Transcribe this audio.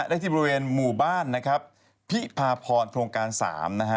ได้ที่บริเวณหมู่บ้านนะครับพิพาพรโครงการ๓นะฮะ